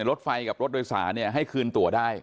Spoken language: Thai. รถไฟกับรถโดยสารให้คืนตัวได้